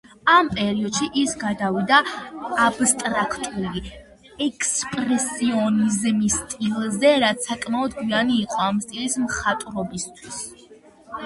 ამ პერიოდში ის გადავიდა აბსტრაქტული ექსპრესიონიზმის სტილზე, რაც საკმაოდ გვიანი იყო ამ სტილის მხატვრობისთვის.